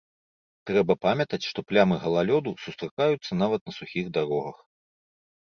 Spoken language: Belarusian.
Трэба памятаць, што плямы галалёду сустракаюцца нават на сухіх дарогах.